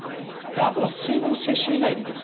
あとは水分摂取以外にですね